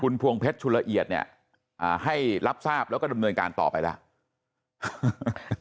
พวงเพชรชุลละเอียดเนี่ยให้รับทราบแล้วก็ดำเนินการต่อไปแล้ว